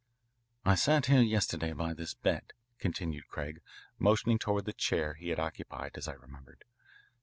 "I sat here yesterday by this bed," continued Craig, motioning toward the chair he had occupied, as I remembered.